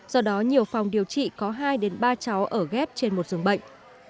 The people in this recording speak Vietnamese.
do đó nhiều phòng điều trị có hai ba cháu ở ghép trên một giường bệnh